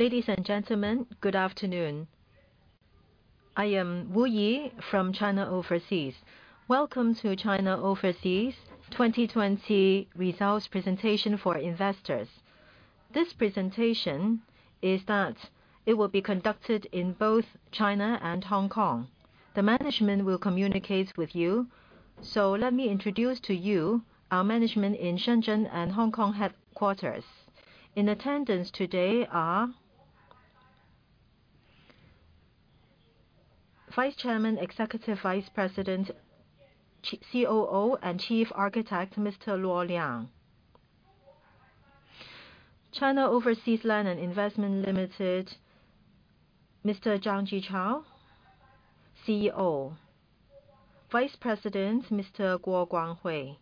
Ladies and gentlemen, good afternoon. I am Wu Yi from China Overseas. Welcome to China Overseas 2020 results presentation for investors. This presentation will be conducted in both China and Hong Kong. The management will communicate with you. Let me introduce to you our management in Shenzhen and Hong Kong headquarters. In attendance today are Vice Chairman, Executive Vice President, COO, and Chief Architect, Mr. Luo Liang. China Overseas Land & Investment Limited, Mr. Zhang Zhichao, CEO. Vice President, Mr. Guo Guanghui.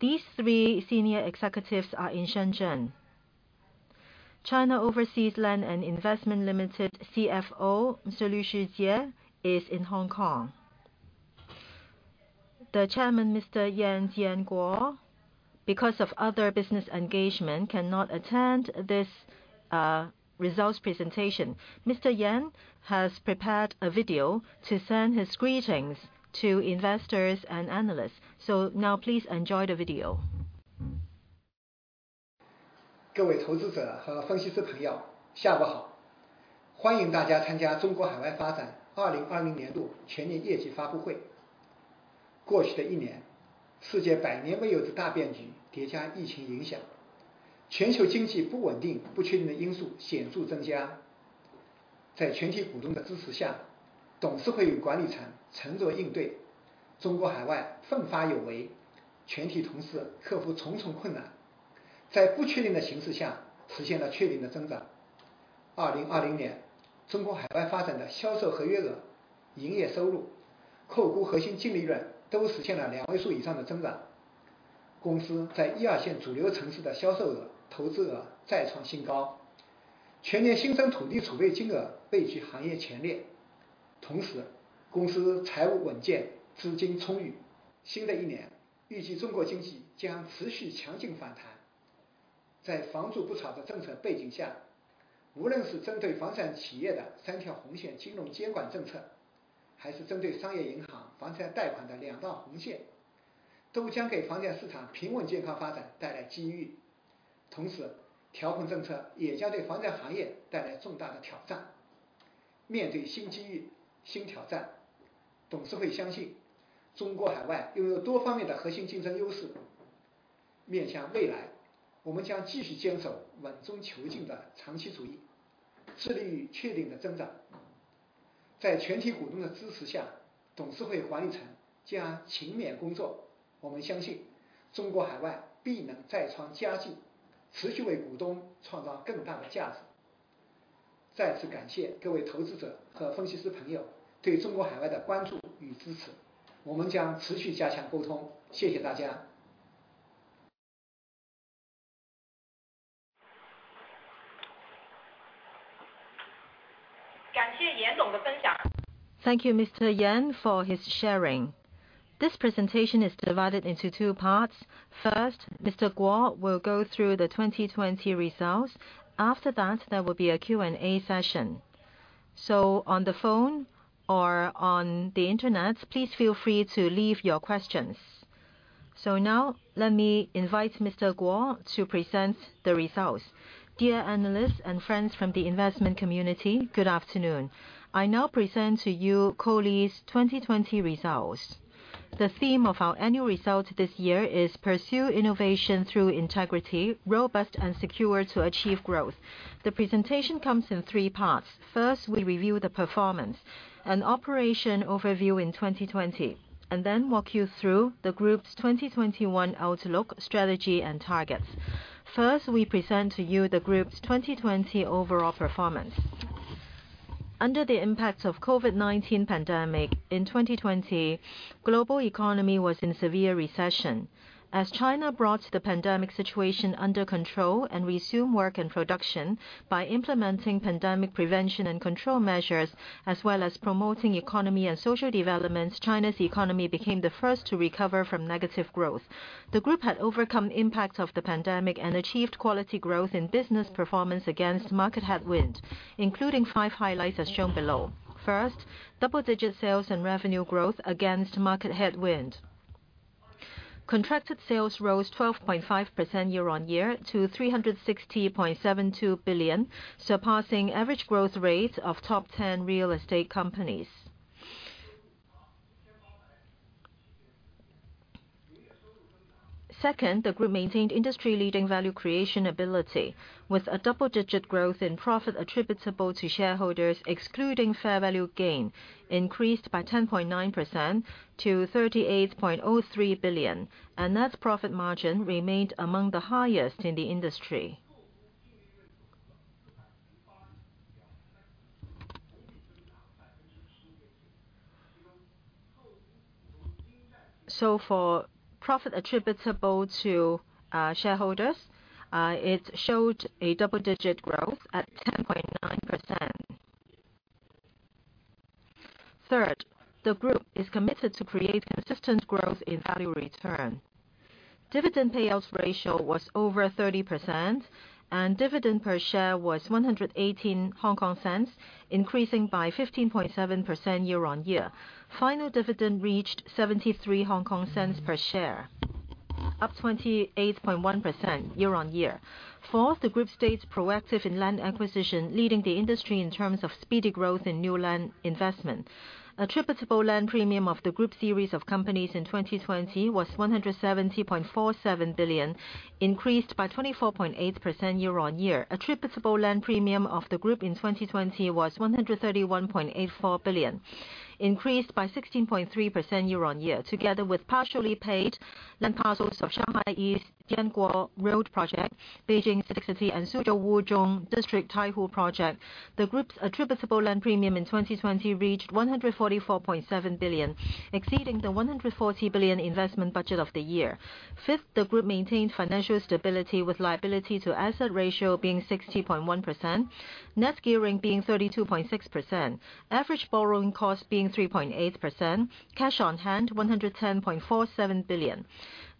These three senior executives are in Shenzhen. China Overseas Land & Investment Limited CFO, Mr. Luo Shijie is in Hong Kong. The Chairman, Mr. Yan Jianguo, because of other business engagement, cannot attend this results presentation. Mr. Yan has prepared a video to send his greetings to investors and analysts. Now please enjoy the video. [Presentaion] Thank you, Mr. Yan, for his sharing. This presentation is divided into two parts. First, Mr. Guo will go through the 2020 results. After that, there will be a Q&A session. On the phone or on the internet, please feel free to leave your questions. Now let me invite Mr. Guo to present the results. Dear analysts and friends from the investment community, good afternoon. I now present to you COLI's 2020 results. The theme of our annual results this year is Pursue Innovation Through Integrity, Robust and Secure to Achieve Growth. The presentation comes in three parts. First, we review the performance and operation overview in 2020 and then walk you through the group's 2021 outlook, strategy, and targets. First, we present to you the group's 2020 overall performance. Under the impact of COVID-19 pandemic in 2020, global economy was in severe recession. As China brought the pandemic situation under control and resumed work and production by implementing pandemic prevention and control measures, as well as promoting economy and social developments, China's economy became the first to recover from negative growth. The group had overcome impacts of the pandemic and achieved quality growth in business performance against market headwind, including five highlights as shown below. First, double-digit sales and revenue growth against market headwind. Contracted sales rose 12.5% year-on-year to 360.72 billion, surpassing average growth rate of top 10 real estate companies. Second, the group maintained industry-leading value creation ability with a double-digit growth in profit attributable to shareholders excluding fair value gain, increased by 10.9% to 38.03 billion, and net profit margin remained among the highest in the industry. For profit attributable to shareholders, it showed a double-digit growth at 10.9%. Third, the group is committed to create consistent growth in value return. Dividend payouts ratio was over 30%, and dividend per share was 1.18, increasing by 15.7% year-on-year. Final dividend reached 0.73 per share, up 28.1% year-on-year. Fourth, the group stays proactive in land acquisition, leading the industry in terms of speedy growth in new land investment. Attributable land premium of the group series of companies in 2020 was 170.47 billion, increased by 24.8% year-on-year. Attributable land premium of the group in 2020 was 131.84 billion, increased by 16.3% year-on-year. Together with partially paid land parcels of Shanghai East Jianguo Road Project, Beijing CITIC City, and Suzhou Wuzhong District Taihu Project, the group's attributable land premium in 2020 reached 144.7 billion, exceeding the 140 billion investment budget of the year. Fifth, the group maintained financial stability with liability to asset ratio being 60.1%, net gearing being 32.6%, average borrowing cost being 3.8%, cash on hand 110.47 billion.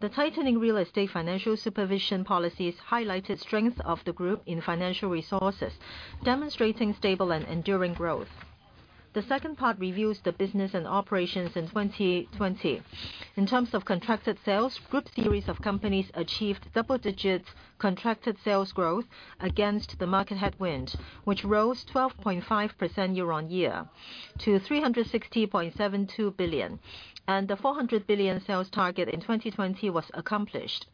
The tightening real estate financial supervision policies highlighted strength of the group in financial resources, demonstrating stable and enduring growth. The second part reviews the business and operations in 2020. In terms of contracted sales, group series of companies achieved double-digit contracted sales growth against the market headwind, which rose 12.5% year-on-year to 360.72 billion, and the 400 billion sales target in 2020 was accomplished.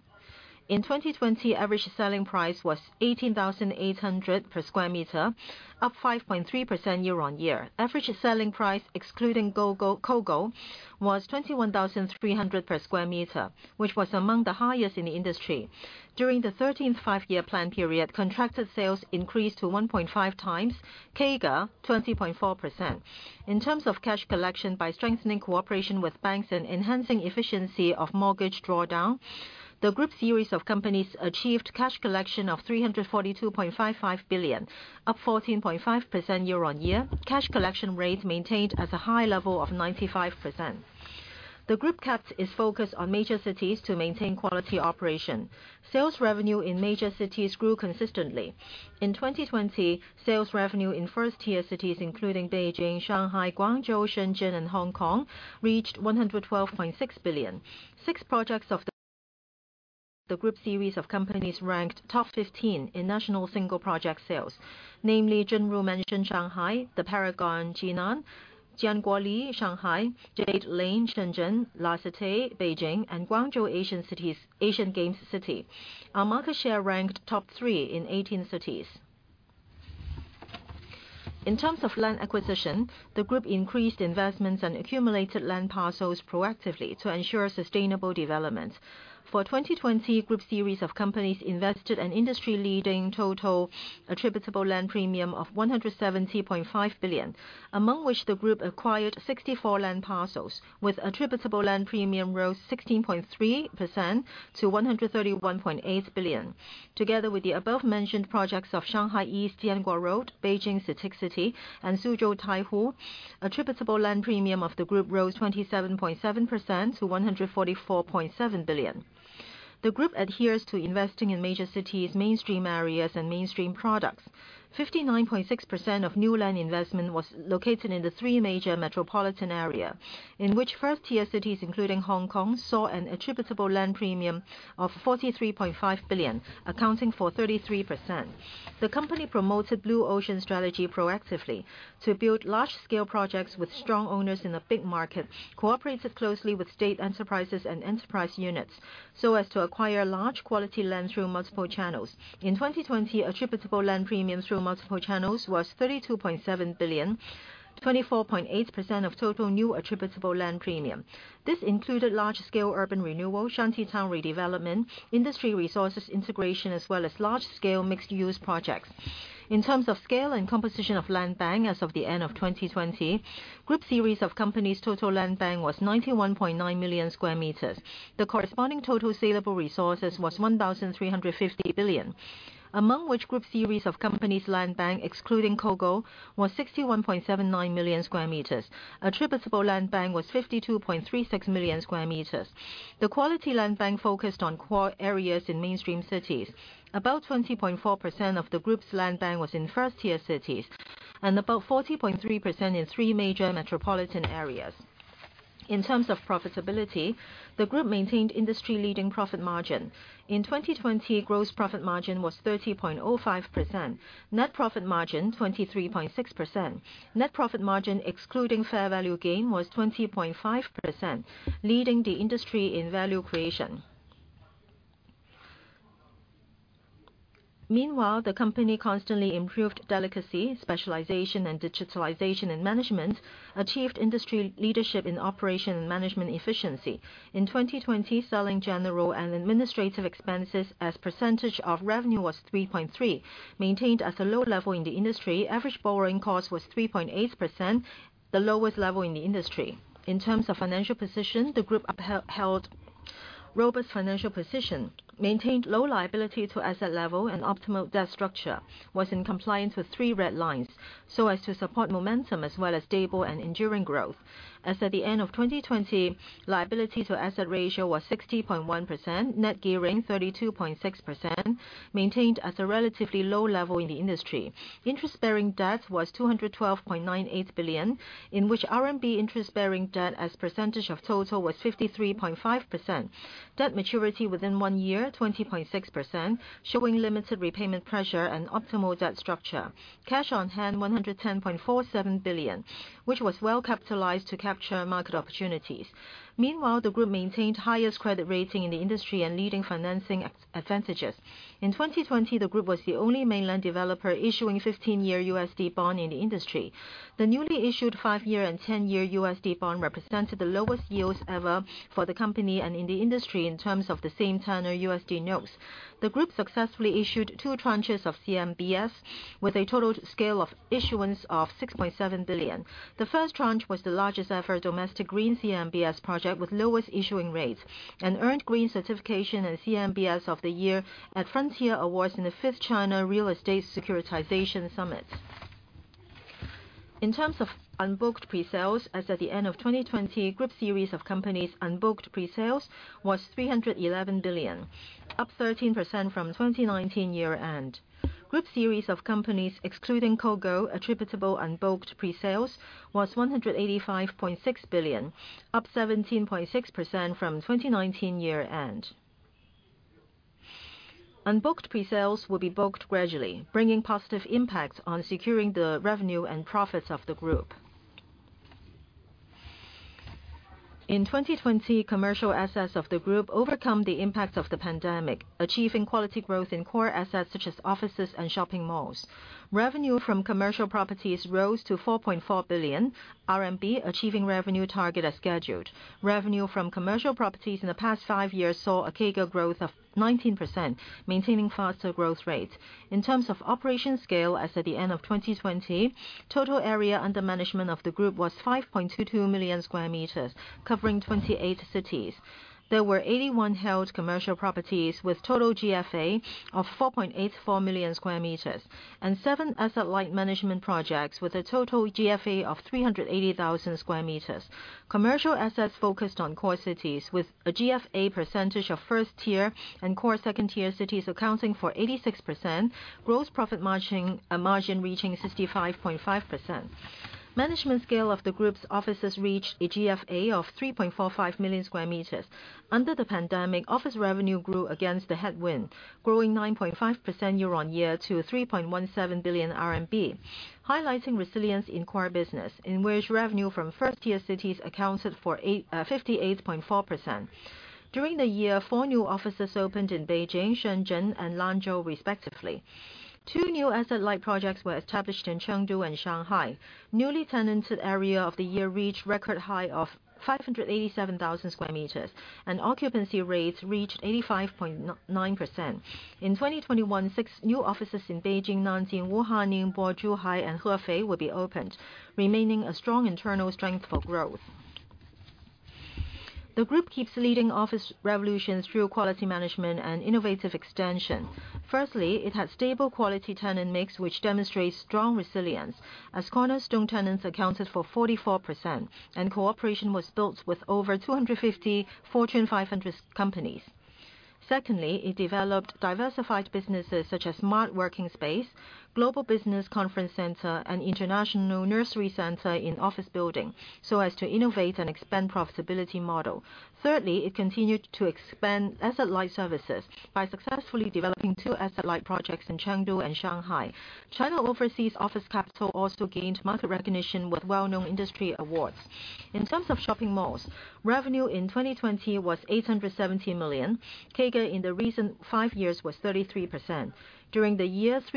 In 2020, average selling price was 18,800 per sq m, up 5.3% year-on-year. Average selling price, excluding COGO, was 21,300 per sq m, which was among the highest in the industry. During the 13th Five-Year Plan period, contracted sales increased to 1.5 times, CAGR 20.4%. In terms of cash collection by strengthening cooperation with banks and enhancing efficiency of mortgage drawdown, the group series of companies achieved cash collection of 342.55 billion, up 14.5% year-over-year. Cash collection rate maintained at a high level of 95%. The group kept its focus on major cities to maintain quality operation. Sales revenue in major cities grew consistently. In 2020, sales revenue in first-tier cities including Beijing, Shanghai, Guangzhou, Shenzhen, and Hong Kong reached 112.6 billion. Six projects of the group series of companies ranked top 15 in national single project sales, namely Zhenru Mansion Shanghai, The Paragon Jinan, Jianguo Li Shanghai, Jade Lane Shenzhen, La Cité Beijing, and Guangzhou Asian Games City. Our market share ranked top three in 18 cities. In terms of land acquisition, the group increased investments and accumulated land parcels proactively to ensure sustainable development. For 2020, group series of companies invested an industry-leading total attributable land premium of 170.5 billion, among which the group acquired 64 land parcels, with attributable land premium rose 16.3% to 131.8 billion. Together with the above-mentioned projects of Shanghai East Jianguo Road, Beijing CITIC City, and Suzhou Taihu, attributable land premium of the group rose 27.7% to 144.7 billion. The group adheres to investing in major cities, mainstream areas, and mainstream products. 59.6% of new land investment was located in the three major metropolitan area, in which first-tier cities, including Hong Kong, saw an attributable land premium of RMB 43.5 billion, accounting for 33%. The company promoted Blue Ocean Strategy proactively to build large-scale projects with strong owners in a big market, cooperated closely with state enterprises core areas in mainstream cities. About 20.4% of the group's land bank was in first-tier cities and about 40.3% in three major metropolitan areas. In terms of profitability, the group maintained industry-leading profit margin. In 2020, gross profit margin was 30.05%, net profit margin 23.6%. Net profit margin excluding fair value gain was 20.5%, leading the industry in value creation. Meanwhile, the company constantly improved delicacy, specialization, and digitalization in management, achieved industry leadership in operation and management efficiency. In 2020, selling, general, and administrative expenses as percentage of revenue was 3.3%, maintained at a low level in the industry. Average borrowing cost was 3.8%, the lowest level in the industry. In terms of financial position, the group upheld robust financial position maintained low liability to asset level and optimal debt structure was in compliance with Three Red Lines, so as to support momentum as well as stable and enduring growth. As at the end of 2020, liability to asset ratio was 60.1%, net gearing 32.6%, maintained at a relatively low level in the industry. Interest-bearing debt was 212.98 billion, in which RMB interest-bearing debt as percentage of total was 53.5%. Debt maturity within one year, 20.6%, showing limited repayment pressure and optimal debt structure. Cash on hand, 110.47 billion, which was well capitalized to capture market opportunities. The group maintained highest credit rating in the industry and leading financing advantages. In 2020, the group was the only mainland developer issuing 15-year USD bond in the industry. The newly issued five-year and 10-year USD bond represented the lowest yields ever for the company and in the industry in terms of the same tenor USD notes. The group successfully issued two tranches of CMBS, with a total scale of issuance of $6.7 billion. The first tranche was the largest-ever domestic green CMBS project with lowest issuing rates, and earned green certification and CMBS of the year at Frontier Awards in the 5th China Real Estate Securitization Summit. In terms of unbooked pre-sales, as at the end of 2020, group series of companies' unbooked pre-sales was 311 billion, up 13% from 2019 year-end. Group series of companies, excluding COGO attributable unbooked pre-sales was 185.6 billion, up 17.6% from 2019 year-end. Unbooked pre-sales will be booked gradually, bringing positive impact on securing the revenue and profits of the group. In 2020, commercial assets of the group overcame the impact of the pandemic, achieving quality growth in core assets such as offices and shopping malls. Revenue from commercial properties rose to 4.4 billion RMB, achieving revenue target as scheduled. Revenue from commercial properties in the past five years saw a CAGR growth of 19%, maintaining faster growth rates. In terms of operation scale, as at the end of 2020, total area under management of the group was 5.22 million sq m, covering 28 cities. There were 81 held commercial properties with total GFA of 4.84 million sq m, and seven asset light management projects with a total GFA of 380,000 sq m. Commercial assets focused on core cities with a GFA percentage of first-tier and core second-tier cities accounting for 86%, gross profit margin reaching 65.5%. Management scale of the group's offices reached a GFA of 3.45 million sq m. Under the pandemic, office revenue grew against the headwind, growing 9.5% year-on-year to 3.17 billion RMB, highlighting resilience in core business, in which revenue from first-tier cities accounted for 58.4%. During the year, four new offices opened in Beijing, Shenzhen, and Lanzhou respectively. Two new asset light projects were established in Chengdu and Shanghai. Newly tenanted area of the year reached record high of 587,000 sq m, and occupancy rates reached 85.9%. In 2021, six new offices in Beijing, Nanjing, Wuhan, Ningbo, Zhuhai, and Hefei will be opened, remaining a strong internal strength for growth. The group keeps leading office revolutions through quality management and innovative extension. Firstly, it had stable quality tenant mix, which demonstrates strong resilience, as cornerstone tenants accounted for 44%, and cooperation was built with over 250 Fortune 500 companies. Secondly, it developed diversified businesses such as smart working space, global business conference center, and international nursery center in office building, so as to innovate and expand profitability model. Thirdly, it continued to expand asset light services by successfully developing two asset light projects in Chengdu and Shanghai. China Overseas Office Capital also gained market recognition with well-known industry awards. In terms of shopping malls, revenue in 2020 was 870 million, CAGR in the recent five years was 33%. During the year, three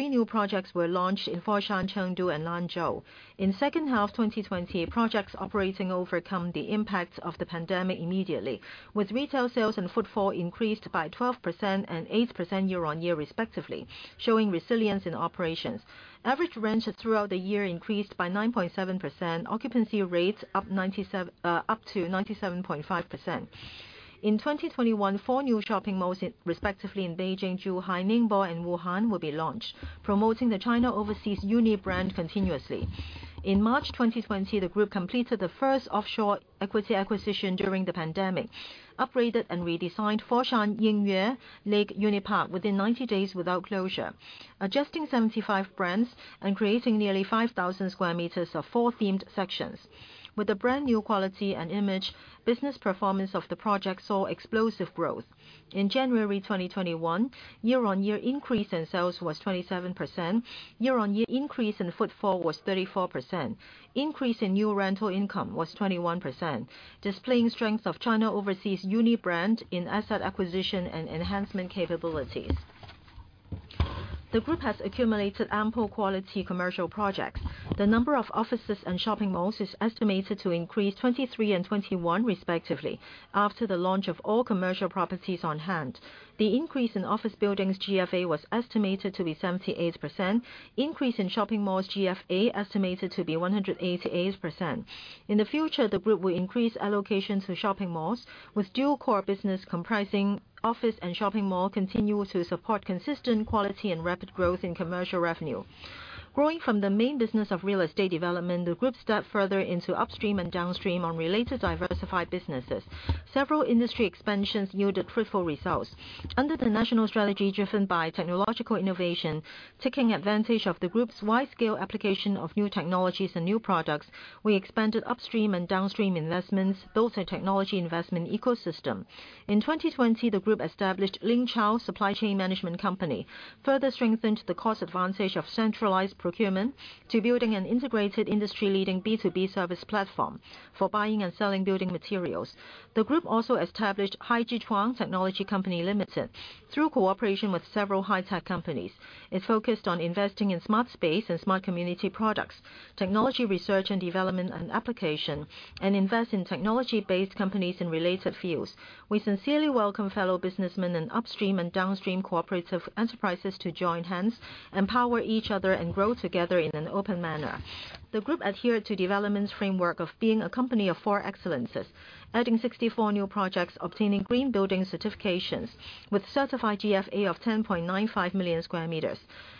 new projects were launched in Foshan, Chengdu, and Lanzhou. In second half 2020, projects operating overcome the impact of the pandemic immediately, with retail sales and footfall increased by 12% and 8% year-over-year respectively, showing resilience in operations. Average rents throughout the year increased by 9.7%, occupancy rates up to 97.5%. In 2021, four new shopping malls, respectively in Beijing, Zhuhai, Ningbo, and Wuhan will be launched, promoting the China Overseas UNI brand continuously. In March 2020, the group completed the first offshore equity acquisition during the pandemic, upgraded and redesigned Foshan Yingyue Lake Unipark within 90 days without closure, adjusting 75 brands and creating nearly 5,000 sq m of four themed sections. With a brand-new quality and image, business performance of the project saw explosive growth. In January 2021, year on year increase in sales was 27%, year on year increase in footfall was 34%, increase in new rental income was 21%, displaying strength of China Overseas UNI brand in asset acquisition and enhancement capabilities. The group has accumulated ample quality commercial projects. The number of offices and shopping malls is estimated to increase 23 and 21 respectively, after the launch of all commercial properties on hand. The increase in office buildings GFA was estimated to be 78%, increase in shopping malls GFA estimated to be 188%. In the future, the group will increase allocation to shopping malls, with dual core business comprising office and shopping mall, continue to support consistent quality and rapid growth in commercial revenue. Growing from the main business of real estate development, the group stepped further into upstream and downstream on related diversified businesses. Several industry expansions yielded fruitful results. Under the national strategy driven by technological innovation, taking advantage of the group's wide-scale application of new technologies and new products, we expanded upstream and downstream investments, built a technology investment ecosystem. In 2020, the group established Lingchao Supply Chain Management Company, further strengthened the cost advantage of centralized procurement to building an integrated industry, leading B2B service platform for buying and selling building materials. The group also established Haizhichuang Technology Company Limited through cooperation with several high-tech companies. It focused on investing in smart space and smart community products, technology research and development and application, and invest in technology-based companies in related fields. We sincerely welcome fellow businessmen and upstream and downstream cooperative enterprises to join hands, empower each other, and grow together in an open manner. The group adhered to development framework of being a Company of Four Excellences, adding 64 new projects, obtaining green building certifications with certified GFA of 10.95 million sq m.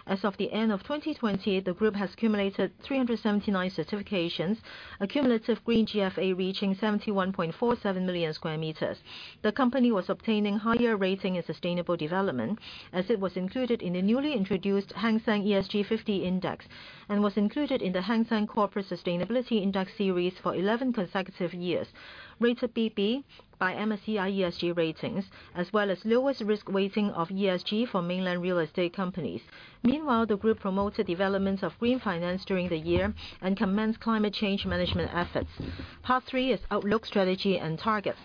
As of the end of 2020, the group has accumulated 379 certifications, a cumulative green GFA reaching 71.47 million sq m. The company was obtaining higher rating and sustainable development as it was included in the newly introduced Hang Seng ESG 50 Index and was included in the Hang Seng Corporate Sustainability Index series for 11 consecutive years, rated BB by MSCI ESG Ratings, as well as lowest risk weighting of ESG for mainland real estate companies. The group promoted development of green finance during the year and commenced climate change management efforts. Part three is outlook, strategy, and targets.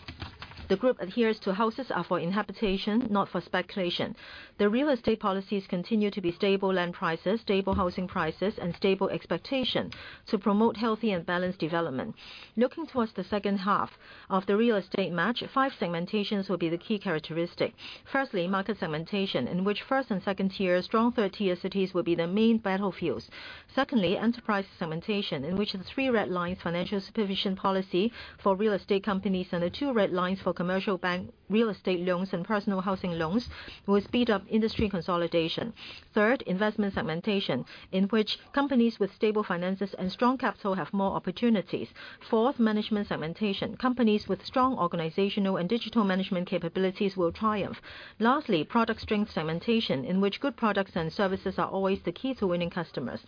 The group adheres to houses are for living in, not for speculation. The real estate policies continue to be stable land prices, stable housing prices, and stable expectation to promote healthy and balanced development. Looking towards the second half of the real estate market, five segmentations will be the key characteristic. Firstly, market segmentation, in which first and second tier, strong third tier cities will be the main battlefields. Secondly, enterprise segmentation, in which the Three Red Lines financial supervision policy for real estate companies and the Two Red Lines for commercial bank real estate loans and personal housing loans will speed up industry consolidation. Third, investment segmentation, in which companies with stable finances and strong capital have more opportunities. Fourth, management segmentation. Companies with strong organizational and digital management capabilities will triumph. Lastly, product strength segmentation, in which good products and services are always the key to winning customers.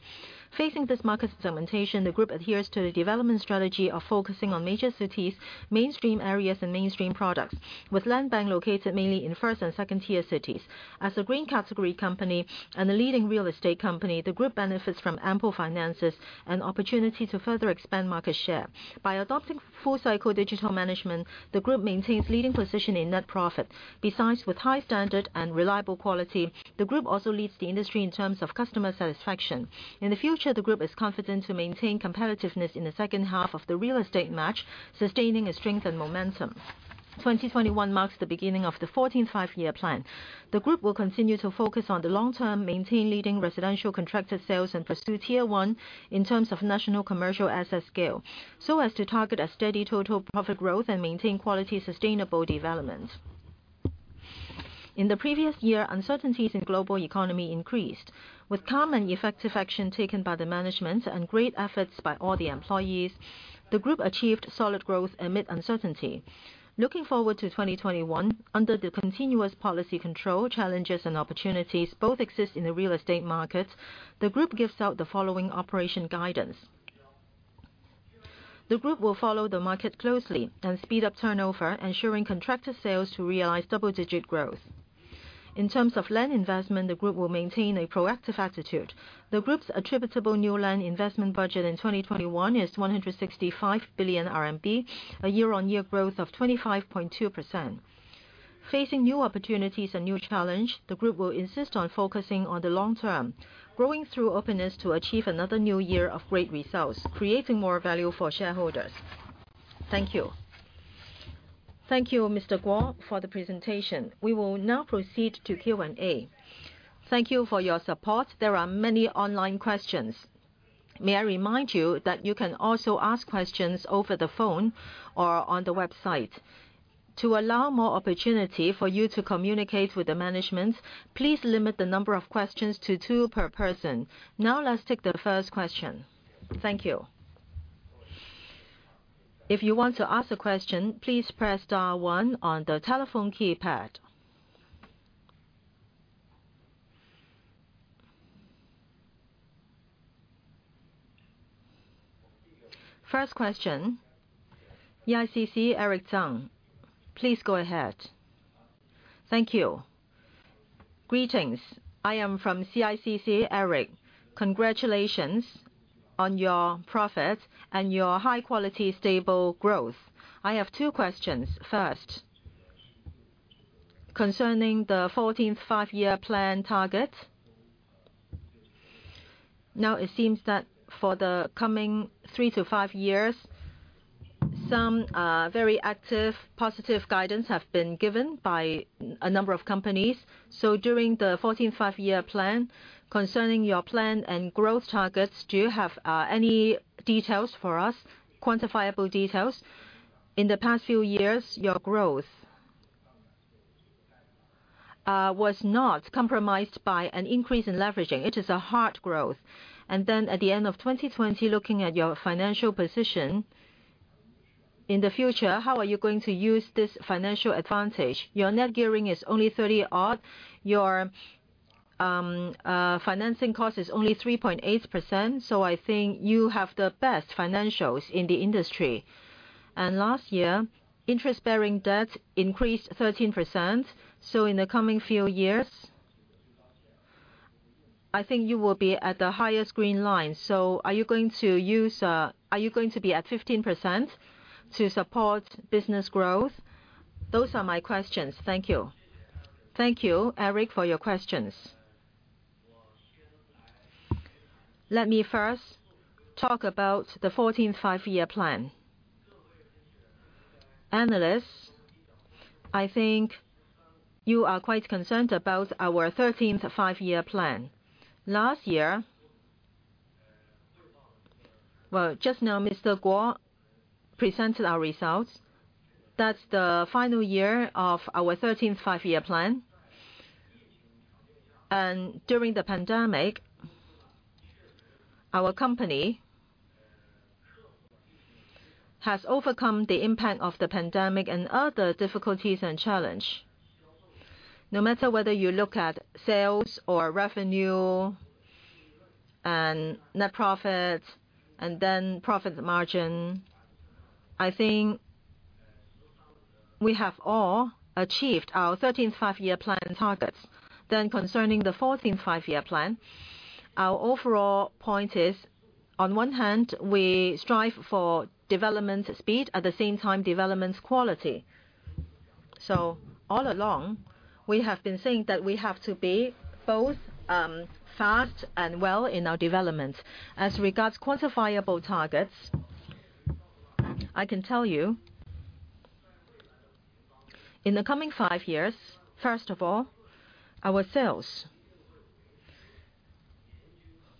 Facing this market segmentation, the group adheres to the development strategy of focusing on major cities, mainstream areas, and mainstream products, with land bank located mainly in first- and second-tier cities. As a green category company and a leading real estate company, the group benefits from ample finances and opportunity to further expand market share. By adopting full-cycle digital management, the group maintains leading position in net profit. Besides, with high-standard and reliable quality, the group also leads the industry in terms of customer satisfaction. In the future, the group is confident to maintain competitiveness in the second half of the real estate match, sustaining a strengthened momentum. 2021 marks the beginning of the 14th Five-Year Plan. The group will continue to focus on the long term, maintain leading residential contracted sales, and pursue Tier 1 in terms of national commercial asset scale, as to target a steady total profit growth and maintain quality sustainable development. In the previous year, uncertainties in global economy increased. With calm and effective action taken by the management and great efforts by all the employees, the group achieved solid growth amid uncertainty. Looking forward to 2021, under the continuous policy control, challenges and opportunities both exist in the real estate market, the group gives out the following operation guidance. The group will follow the market closely and speed up turnover, ensuring contracted sales to realize double-digit growth. In terms of land investment, the group will maintain a proactive attitude. The group's attributable new land investment budget in 2021 is 165 billion RMB, a year-over-year growth of 25.2%. Facing new opportunities and new challenge, the group will insist on focusing on the long term, growing through openness to achieve another new year of great results, creating more value for shareholders. Thank you. Thank you, Mr. Guo, for the presentation. We will now proceed to Q&A. Thank you for your support. There are many online questions. May I remind you that you can also ask questions over the phone or on the website. To allow more opportunity for you to communicate with the management, please limit the number of questions to two per person. Let's take the first question. Thank you. If you want to ask a question, please press star one on the telephone keypad. First question, CICC, Eric Zhang. Please go ahead. Thank you. Greetings. I am from CICC, Eric. Congratulations on your profit and your high-quality, stable growth. I have two questions. First, concerning the 14th Five-Year Plan target, now it seems that for the coming three to five years, some very active positive guidance have been given by a number of companies. During the 14th Five-Year Plan, concerning your plan and growth targets, do you have any details for us, quantifiable details? In the past few years, your growth was not compromised by an increase in leveraging. It is a hard growth. At the end of 2020, looking at your financial position, in the future, how are you going to use this financial advantage? Your net gearing is only 30-odd. Your financing cost is only 3.8%. I think you have the best financials in the industry. Last year, interest-bearing debt increased 13%. In the coming few years, I think you will be at the highest green line. Are you going to be at 15% to support business growth? Those are my questions. Thank you. Thank you, Eric, for your questions. Let me first talk about the 14th Five-Year Plan. Analysts, I think you are quite concerned about our 13th Five-Year Plan. Last year, well, just now, Mr. Guo presented our results. That's the final year of our 13th Five-Year Plan. During the pandemic, our company has overcome the impact of the pandemic and other difficulties and challenges. No matter whether you look at sales or revenue and net profit, and then profit margin, I think we have all achieved our 13th Five-Year Plan targets. Concerning the 14th Five-Year Plan, our overall point is, on one hand, we strive for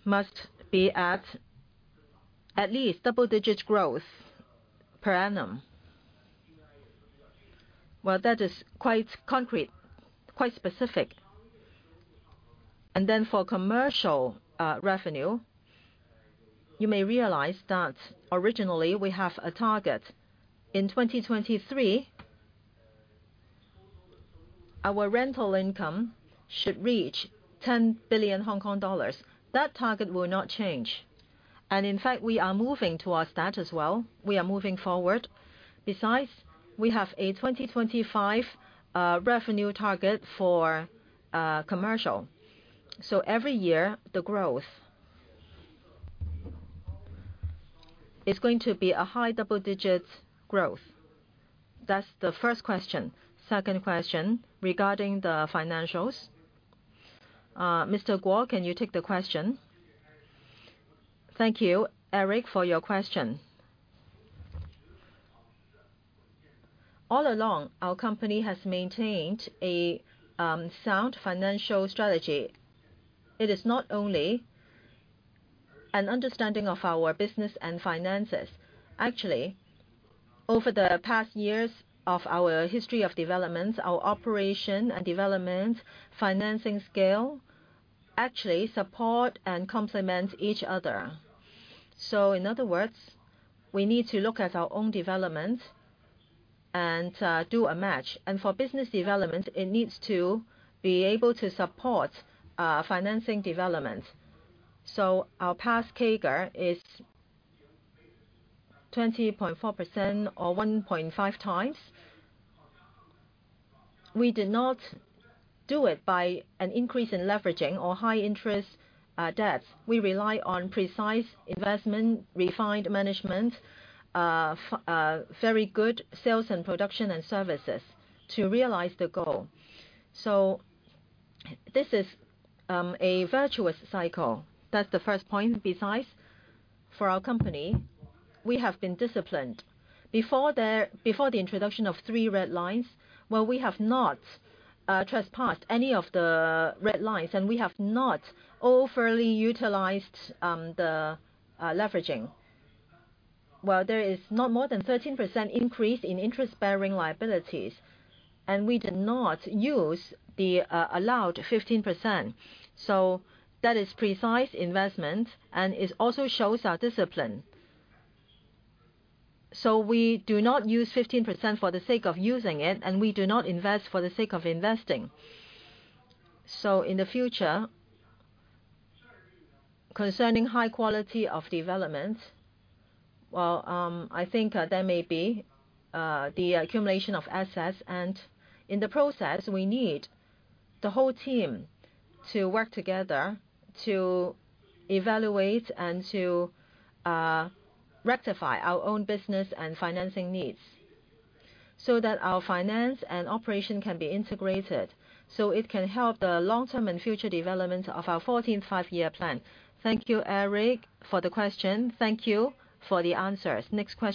development speed, at the same time, development quality. All along, we have been saying that we have to be both fast and well in our development. As regards quantifiable targets, I can tell you in the coming five years, first of all, our sales must be at least double-digit growth per annum. That is quite concrete, quite specific. For commercial revenue, you may realize that originally we have a target. In 2023, our rental income should reach HKD 10 billion. That target will not change. In fact, we are moving towards that as well. We are moving forward. Besides, we have a 2025 revenue target for commercial. Every year, the growth is going to be a high double-digit growth. That's the first question. Second question, regarding the financials. Mr. Guo, can you take the question? Thank you, Eric, for your question. All along, our company has maintained a sound financial strategy. It is not only an understanding of our business and finances. Over the past years of our history of development, our operation and development, financing scale, actually support and complement each other. In other words, we need to look at our own development and do a match. For business development, it needs to be able to support financing development. Our past CAGR is 20.4% or 1.5x. We did not do it by an increase in leveraging or high-interest debts. We rely on precise investment, refined management, very good sales and production and services to realize the goal. This is a virtuous cycle. That's the first point. For our company, we have been disciplined. Before the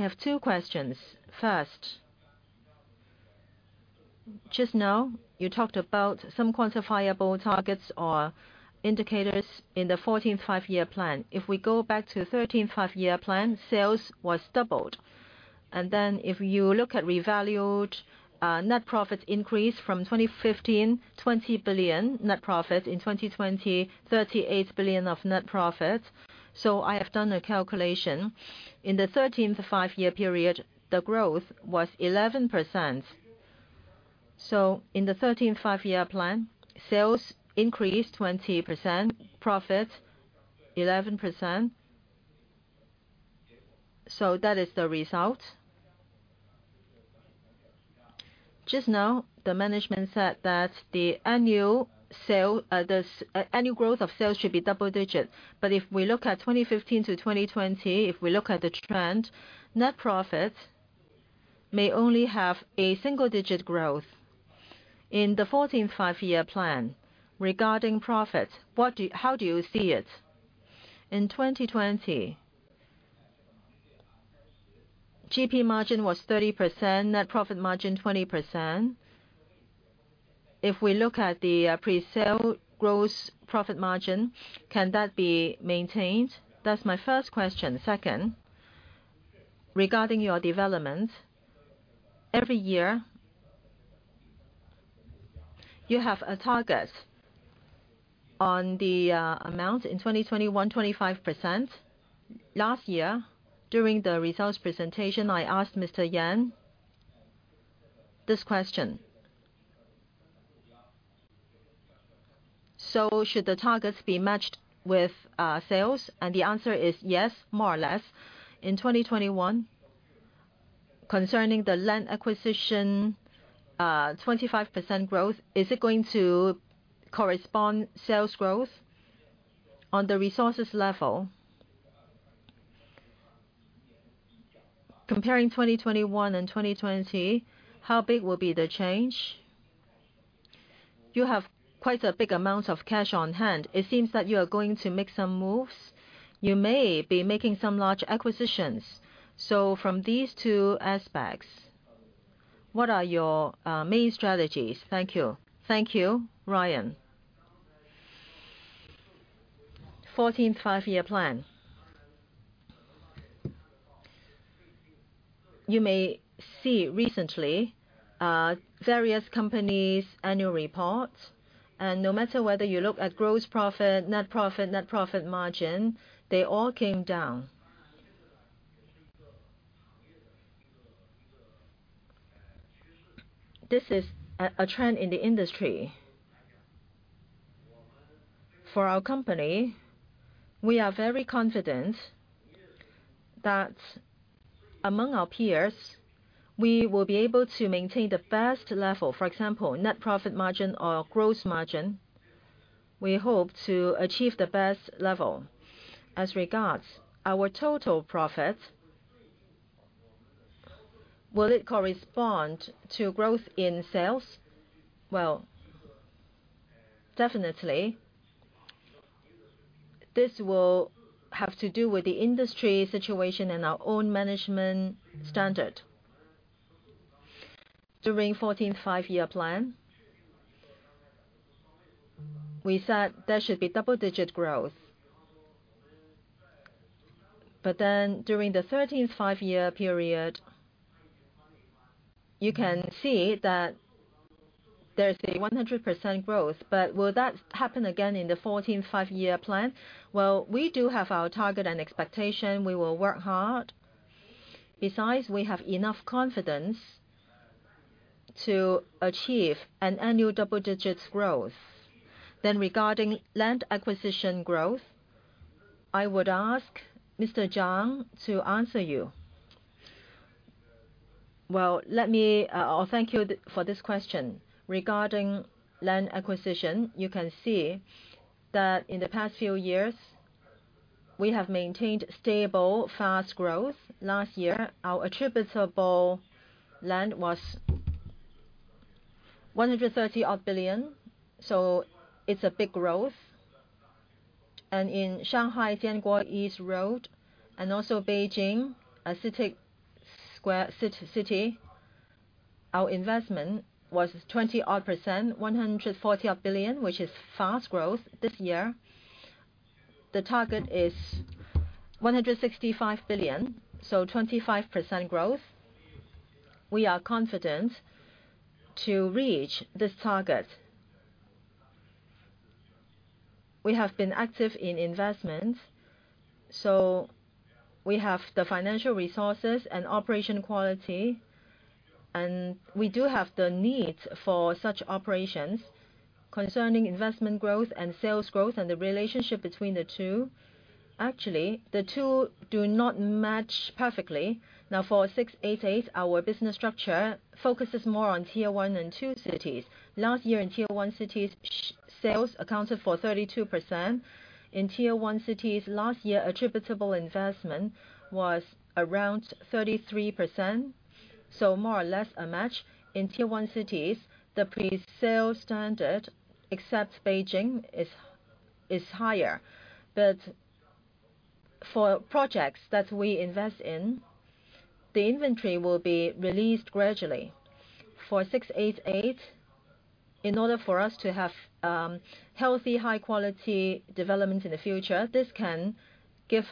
introduction of Three Red Lines, well, we have may only have a single-digit growth. In the 14th Five-Year Plan regarding profits, how do you see it? In 2020, GP margin was 30%, net profit margin 20%. If we look at the pre-sale gross profit margin, can that be maintained? That's my first question. Second, regarding your development, every year you have a target on the amount. In 2021, 25%. Last year, during the results presentation, I asked Mr. Yan this question. Should the targets be matched with sales? The answer is yes, more or less. In 2021, concerning the land acquisition, 25% growth, is it going to correspond sales growth? On the resources level, comparing 2021 and 2020, how big will be the change? You have quite a big amount of cash on hand. It seems that you are going to make some moves. You may be making some large acquisitions. From these two aspects, what are your main strategies? Thank you. Thank you, Ryan. 14th Five-Year Plan. You may see recently, various companies' annual reports. No matter whether you look at gross profit, net profit, net profit margin, they all came down. This is a trend in the industry. For our company, we are very confident that among our peers, we will be able to maintain the best level. For example, net profit margin or gross margin, we hope to achieve the best level. As regards our total profit, will it correspond to growth in sales? Well, definitely. This will have to do with the industry situation and our own management standard. During 14th Five-Year Plan, we said there should be double-digit growth. During the 13th Five-Year Plan, you can see that there's a 100% growth. Will that happen again in the 14th Five-Year Plan? Well, we do have our target and expectation. We will work hard. We have enough confidence to achieve an annual double-digit growth. Regarding land acquisition growth, I would ask Mr. Zhang to answer you. Well, thank you for this question. Regarding land acquisition, you can see that in the past few years, we have maintained stable, fast growth. Last year, our attributable land was 130 billion, it's a big growth. In Shanghai, Jianguo East Road and also Beijing CITIC City, our investment was 20%, 140 billion, which is fast growth. This year, the target is 165 billion, 25% growth. We are confident to reach this target. We have been active in investments, we have the financial resources and operation quality, we do have the need for such operations. Concerning investment growth and sales growth and the relationship between the two, actually, the two do not match perfectly. For 688, our business structure focuses more on Tier 1 and 2 cities. Last year in Tier 1 cities, sales accounted for 32%. In Tier 1 cities last year, attributable investment was around 33%, more or less a match. In Tier 1 cities, the pre-sale standard, except Beijing, is higher. For projects that we invest in, the inventory will be released gradually for 688. In order for us to have healthy, high quality development in the future, this can give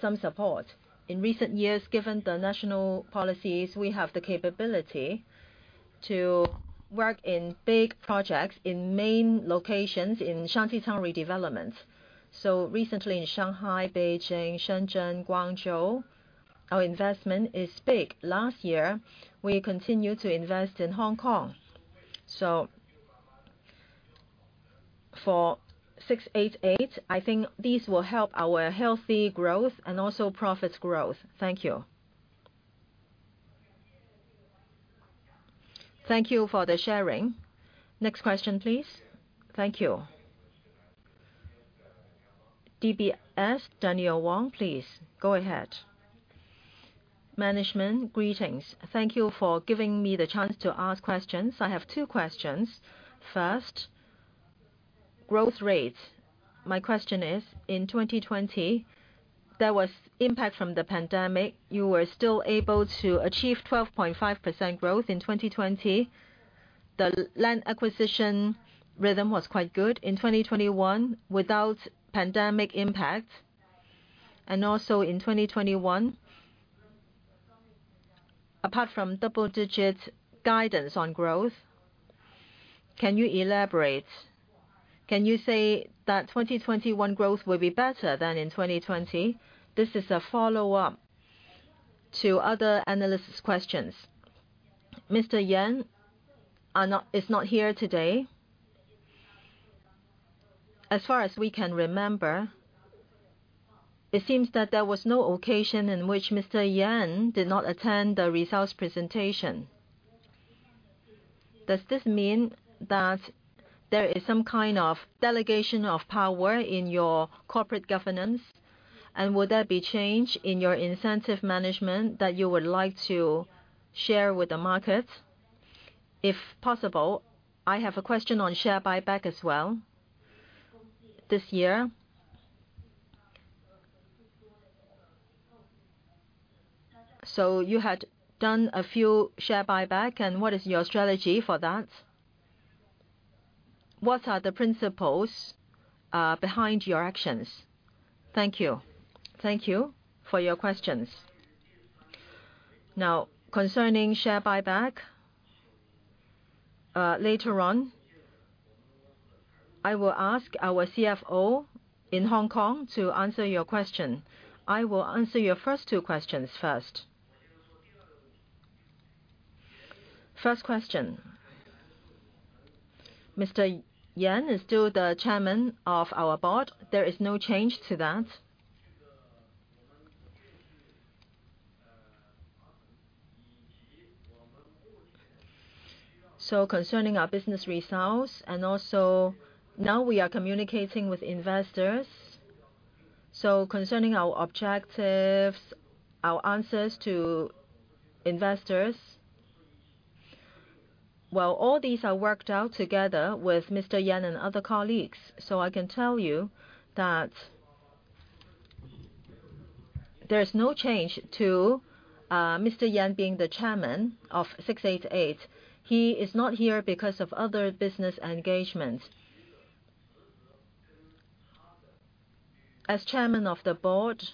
some support. In recent years, given the national policies, we have the capability to work in big projects in main locations in shantytown redevelopment. Recently in Shanghai, Beijing, Shenzhen, Guangzhou, our investment is big. Last year, we continued to invest in Hong Kong. For 688, I think this will help our healthy growth and also profits growth. Thank you. Thank you for the sharing. Next question, please. Thank you. DBS, Daniel Wong, please go ahead. Management, greetings. Thank you for giving me the chance to ask questions. I have two questions. First, growth rates. My question is, in 2020, there was impact from the pandemic. You were still able to achieve 12.5% growth in 2020. The land acquisition rhythm was quite good. In 2021, without pandemic impact, and also in 2021, apart from double-digit There is no change to that. Concerning our business results and also now we are communicating with investors. Concerning our objectives, our answers to investors, well, all these are worked out together with Mr. Yan and other colleagues. I can tell you that there is no change to Mr. Yan being the Chairman of 00688.HK. He is not here because of other business engagements. As Chairman of the Board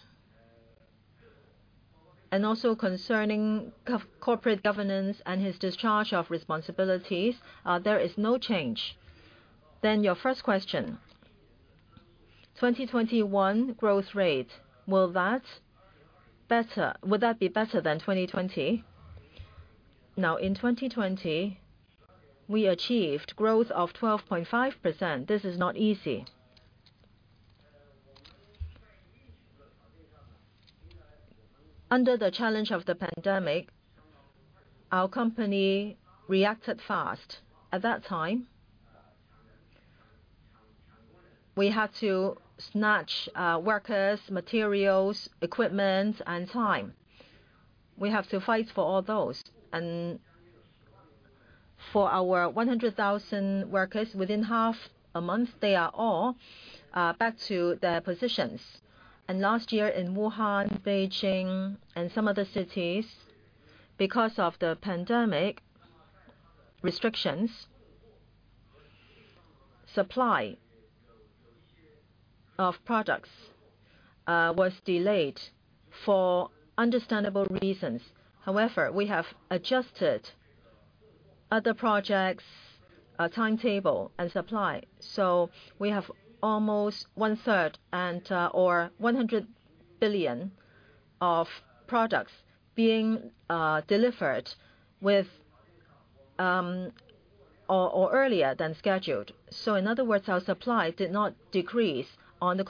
and also concerning corporate governance and his discharge of responsibilities, there is no change. Your first question, 2021 growth rate. Will that be better than 2020? In 2020, we achieved growth of 12.5%. This is not easy. Under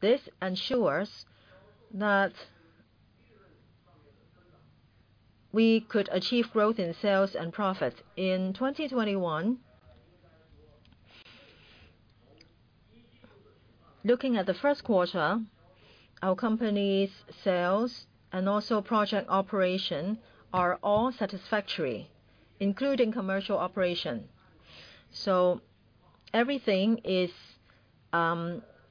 the challenge of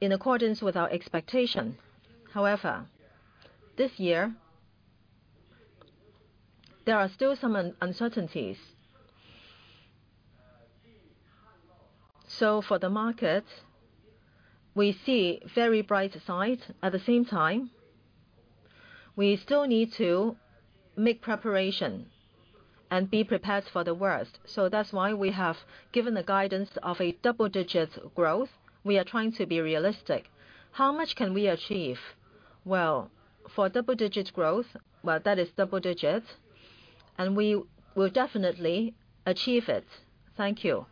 the pandemic, our company reacted fast. At that time, we had to snatch workers, materials, equipment, and time. We have to fight for all those. For our 100,000 workers, within half a month, they are all back to their positions. Last year in Wuhan, Beijing, and some other cities, because of the pandemic restrictions, supply of products was delayed for understandable reasons. However, we have adjusted other projects' timetable and supply. We have almost one-third or 100 billion of products being delivered earlier than scheduled. In other words, our supply did not decrease. On the contrary, it increased. According to original schedule, there was an increase, really, and some profit was realized earlier. This ensures that we could achieve growth in sales and profits in 2021. Looking at the first quarter, our company's sales and also project operation are all satisfactory, including commercial operation. Everything is in accordance with our expectation. However, this year, there are still some uncertainties. For the market, we see very bright sides. At the same time, we still need to make preparation and be prepared for the worst. That's why we have given the guidance of a double-digit growth. We are trying to be realistic. How much can we achieve? Well, for double-digit growth, well, that is double-digit, and we will definitely achieve it. Thank you.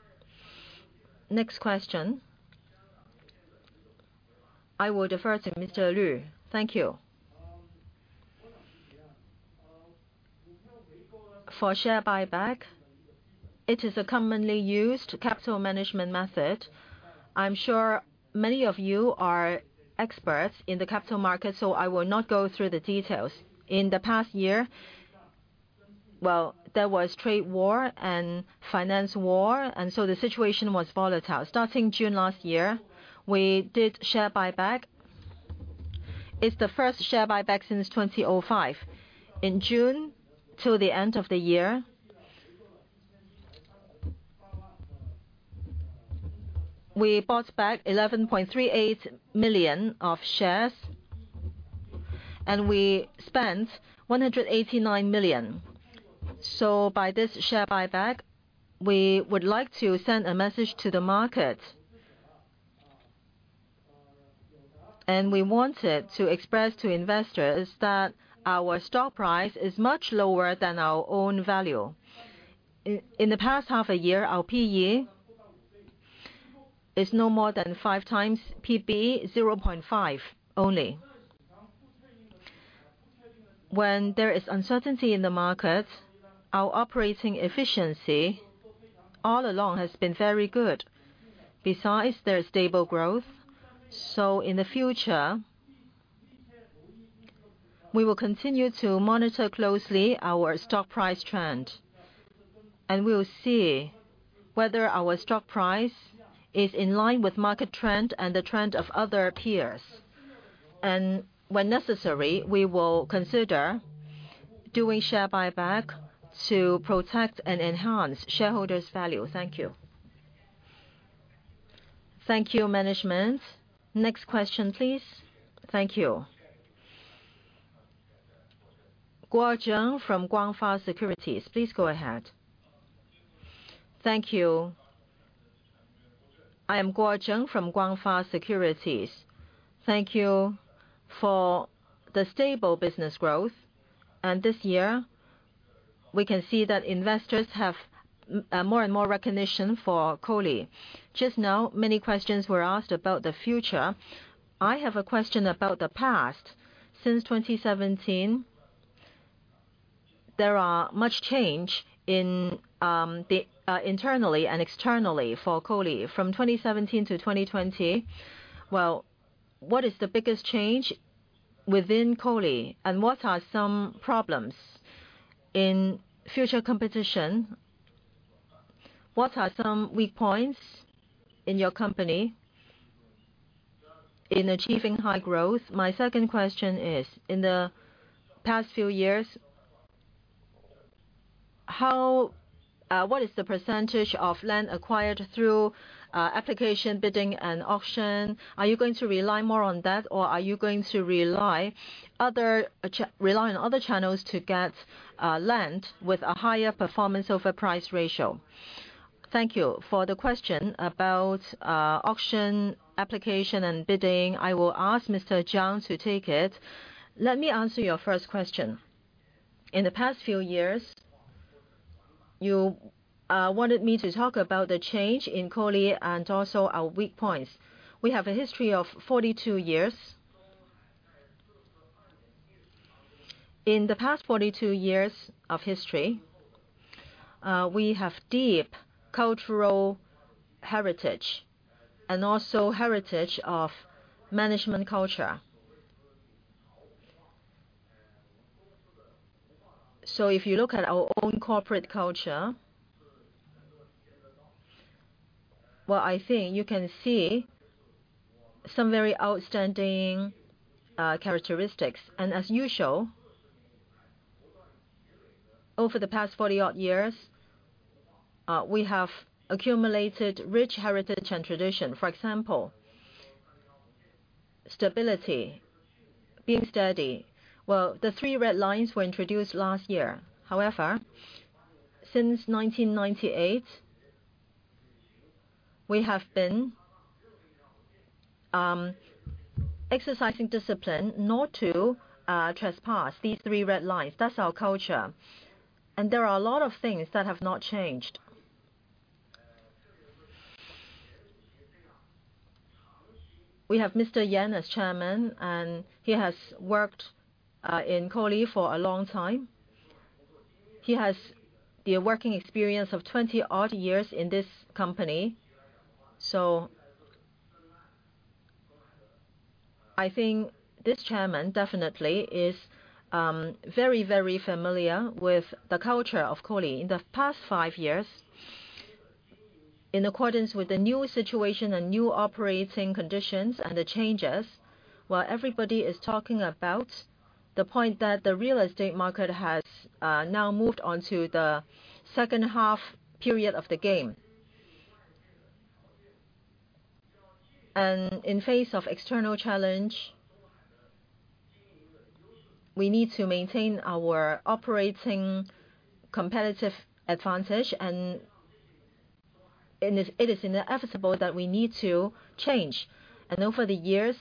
Next question. I will defer to Mr. Luo. Thank you. For share buyback, it is a commonly used capital management method. I am sure many of you are experts in the capital market, so I will not go through the details. In the past year, well, there was trade war and finance war, so the situation was volatile. Starting June last year, we did share buyback. It is the first share buyback since 2005. In June to the end of the year, we bought back 11.38 million shares, and we spent 189 million. By this share buyback, we would like to send a message to the market, we wanted to express to investors that our stock price is much lower than our own value. In the past half a year, our P/E is no more than 5x P/B, 0.5 only. When there is uncertainty in the market, our operating efficiency all along has been very good. Besides, there is stable growth. In the future, we will continue to monitor closely our stock price trend, and we will see whether our stock price is in line with market trend and the trend of other peers. When necessary, we will consider doing share buyback to protect and enhance shareholders' value. Thank you. Thank you, management. Next question, please. Thank you. Guo Zhen from Guangfa Securities, please go ahead. Thank you. I am Guo Zhen from Guangfa Securities. Thank you for the stable business growth. This year, we can see that investors have more and more recognition for COLI. Just now, many questions were asked about the future. I have a question about the past. Since 2017, there are much change internally and externally for COLI. From 2017-2020, what is the biggest change within COLI, and what are some problems in future competition? What are some weak points in your company in achieving high growth? My second question is, in the past few years, what is the percentage of land acquired through application, bidding, and auction? Are you going to rely more on that, or are you going to rely on other channels to get land with a higher performance over price ratio? Thank you. For the question about auction, application, and bidding, I will ask Mr. Zhang to take it. Let me answer your first question. In the past few years, you wanted me to talk about the change in COLI and also our weak points. We have a history of 42 years. In the past 42 years of history, we have deep cultural heritage and also heritage of management culture. If you look at our own corporate culture, well, I think you can see some very outstanding characteristics. As usual, over the past 40 odd years, we have accumulated rich heritage and tradition. For example, stability, being steady. Well, the Three Red Lines were introduced last year. However, since 1998, we have been exercising discipline not to trespass these Three Red Lines. That's our culture. There are a lot of things that have not changed. We have Mr. Yan as Chairman, and he has worked in COLI for a long time. He has the working experience of 20-odd years in this company. I think this Chairman definitely is very, very familiar with the culture of COLI. In the past five years, in accordance with the new situation and new operating conditions and the changes, while everybody is talking about the point that the real estate market has now moved on to the second half period of the game. In face of external challenge, we need to maintain our operating competitive advantage, and it is inevitable that we need to change. Over the years,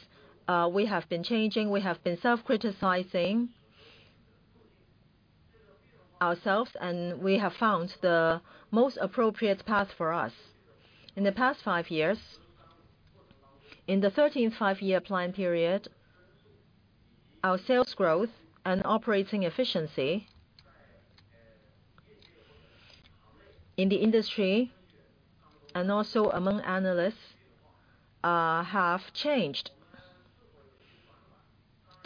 we have been changing, we have been self-criticizing ourselves, and we have found the most appropriate path for us. In the past five years, in the 13th Five-Year Plan period, our sales growth and operating efficiency in the industry and also among analysts have changed.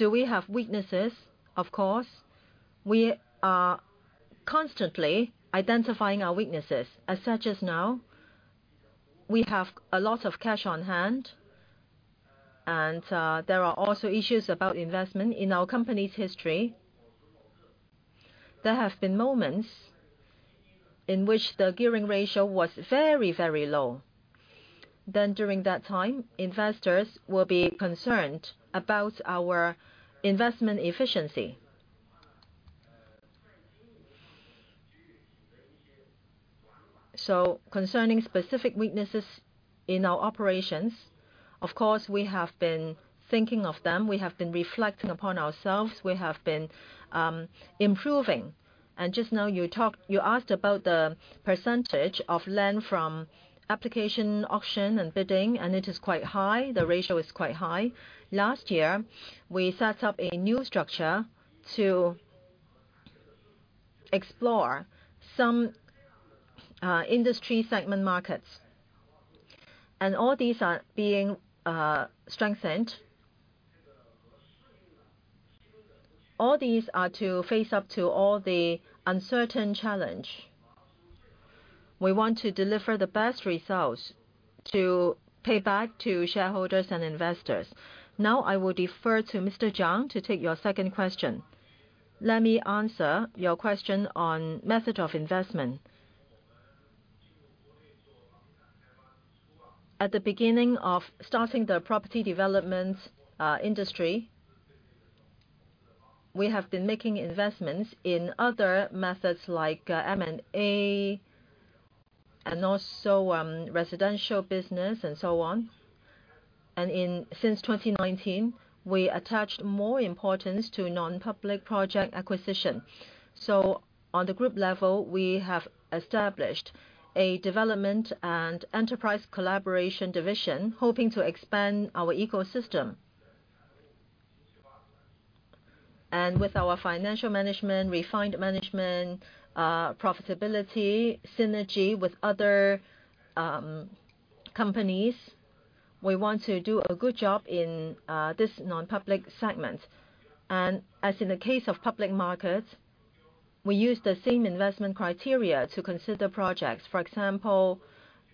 Do we have weaknesses? Of course. We are constantly identifying our weaknesses. As such as now, we have a lot of cash on hand, and there are also issues about investment. In our company's history, there have been moments in which the gearing ratio was very, very low. During that time, investors will be concerned about our investment efficiency. Concerning specific weaknesses in our operations, of course, we have been thinking of them. We have been reflecting upon ourselves. We have been improving. Just now you asked about the percentage of lend from application, auction, and bidding, and it is quite high. The ratio is quite high. Last year, we set up a new structure to explore some industry segment markets, and all these are being strengthened. All these are to face up to all the uncertain challenge. We want to deliver the best results to pay back to shareholders and investors. Now I will defer to Mr. Zhang to take your second question. Let me answer your question on method of investment. At the beginning of starting the property development industry, we have been making investments in other methods like M&A and also residential business and so on. Since 2019, we attached more importance to non-public project acquisition. On the group level, we have established a Development and Enterprise Collaboration Division hoping to expand our ecosystem. With our financial management, refined management, profitability, synergy with other companies, we want to do a good job in this non-public segment. As in the case of public markets, we use the same investment criteria to consider projects. For example,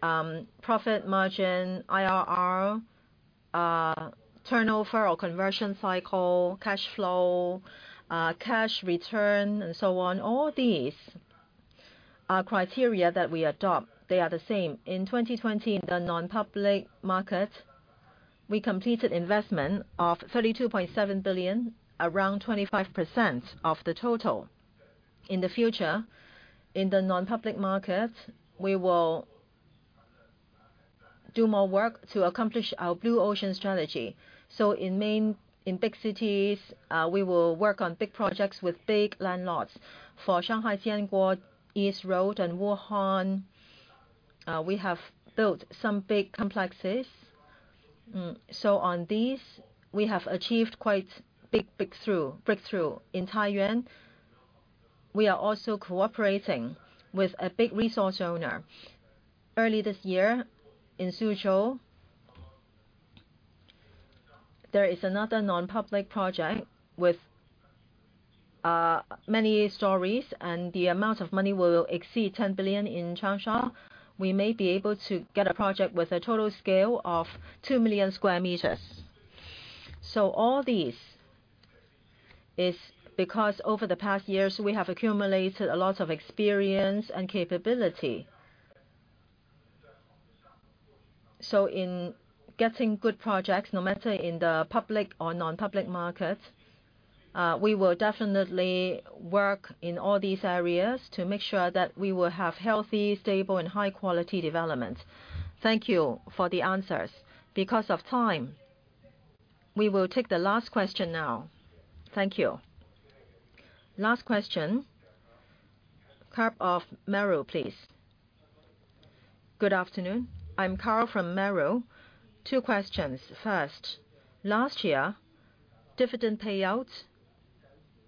gross profit margin, IRR, turnover or conversion cycle, cash flow, cash return, and so on. All these are criteria that we adopt. They are the same. In 2020, in the non-public market, we completed investment of 32.7 billion, around 25% of the total. In the future, in the non-public market, we will do more work to accomplish our Blue Ocean Strategy. In big cities, we will work on big projects with big landlords. For Shanghai Jianguo East Road and Wuhan, we have built some big complexes. On these, we have achieved quite big breakthrough. In Taiyuan, we are also cooperating with a big resource owner. Early this year, in Suzhou, there is another non-public project with many stories, and the amount of money will exceed 10 billion in Changsha. We may be able to get a project with a total scale of 2 million sq m. All these is because over the past years, we have accumulated a lot of experience and capability. In getting good projects, no matter in the public or non-public markets, we will definitely work in all these areas to make sure that we will have healthy, stable, and high-quality development. Thank you for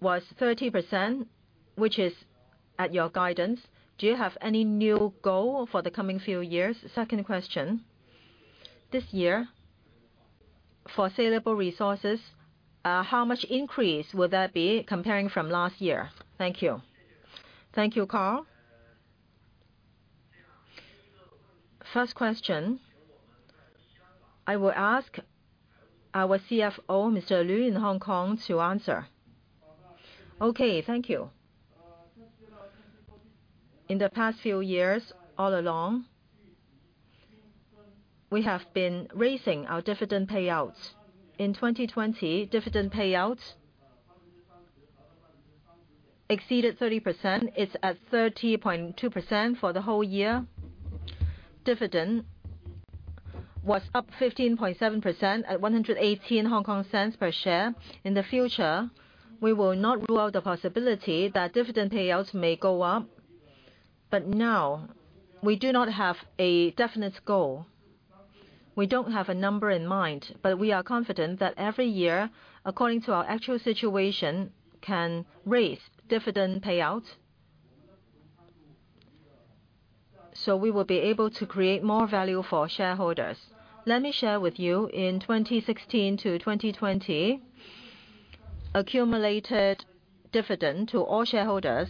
the answers. Because of time, we will take the last question now. Thank you. Last question, Karl of Merrill, please. Good afternoon. I am Karl from Merrill. Two questions. First, last year, dividend payouts was 30%, which is at your guidance. Do you have any new goal for the coming few years? Second question, this year, for saleable resources, how much increase will that be comparing from last year? Thank you. Thank you, Karl. First question, I will ask our CFO, Mr. Luo, in Hong Kong to answer. Thank you. In the past few years, all along, we have been raising our dividend payouts. In 2020, dividend payouts exceeded 30%, it's at 30.2% for the whole year. Dividend was up 15.7% at 1.18 per share. In the future, we will not rule out the possibility that dividend payouts may go up. Now, we do not have a definite goal. We don't have a number in mind. We are confident that every year, according to our actual situation, can raise dividend payouts, so we will be able to create more value for shareholders. Let me share with you, in 2016 to 2020, accumulated dividend to all shareholders,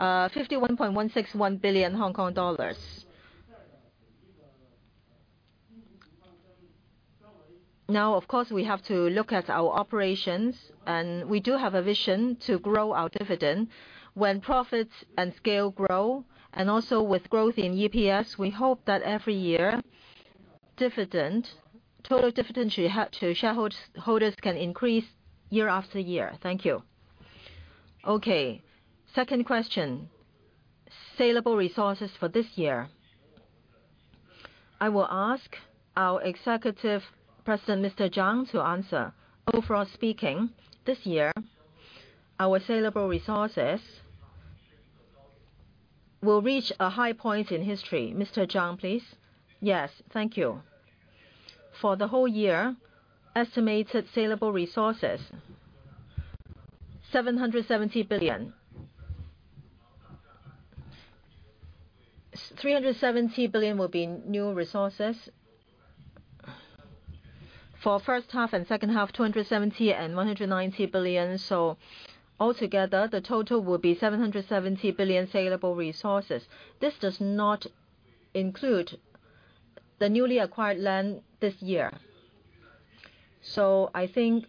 51.161 billion Hong Kong dollars. Now, of course, we have to look at our operations, we do have a vision to grow our dividend. When profits and scale grow, also with growth in EPS, we hope that every year, total dividend to shareholders can increase year after year. Thank you. Second question, saleable resources for this year. I will ask our Executive President, Mr. Zhang, to answer. Overall speaking, this year, our saleable resources will reach a high point in history. Mr. Zhang, please. Yes, thank you. For the whole year, estimated saleable resources, 770 billion. 370 billion will be new resources. For first half and second half, 270 billion and 190 billion. Altogether, the total will be 770 billion saleable resources. This does not include the newly acquired land this year. I think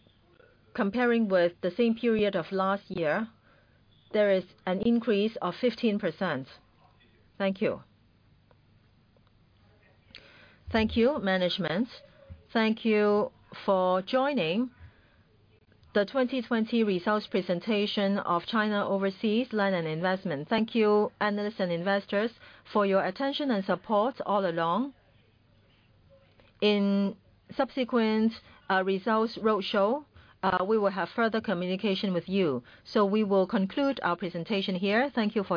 comparing with the same period of last year, there is an increase of 15%. Thank you. Thank you, management. Thank you for joining the 2020 results presentation of China Overseas Land & Investment. Thank you, analysts and investors for your attention and support all along. In subsequent results roadshow, we will have further communication with you. We will conclude our presentation here. Thank you for.